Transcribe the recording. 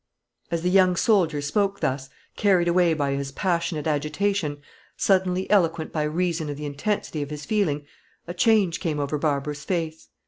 As the young soldier spoke thus, carried away by his passionate agitation, suddenly eloquent by reason of the intensity of his feeling, a change came over Barbara's face.